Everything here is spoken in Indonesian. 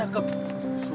aku juga pengen ngajarin